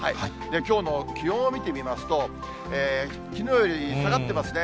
きょうの気温を見てみますと、きのうより下がってますね。